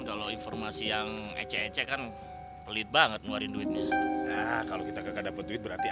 kalau informasi yang ece ece kan pelit banget ngeluarin duitnya kalau kita kakak dapat duit berarti